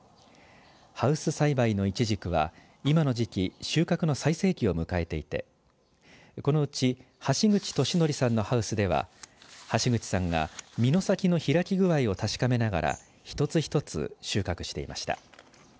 ハウス栽培のいちじくは今の時期収穫の最盛期を迎えていてこのうち橋口俊徳さんのハウスでは橋口さんが実の先の開き具合を確かめながら一つ一つ収穫していました。